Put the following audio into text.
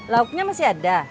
lauknya masih ada